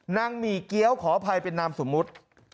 หมี่เกี้ยวขออภัยเป็นนามสมมุติ